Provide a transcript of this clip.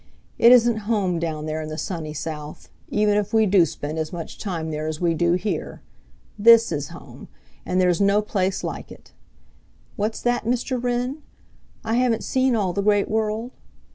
It isn't home down there in the sunny South, even if we do spend as much time there as we do here. THIS is home, and there's no place like it! What's that, Mr. Wren? I haven't seen all the Great World?